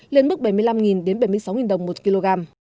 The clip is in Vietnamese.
lên mức bảy mươi năm bảy mươi sáu đồng một kg